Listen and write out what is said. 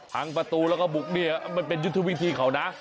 หางประตูแล้วบุกเป็นวิธีนายแบบของเรา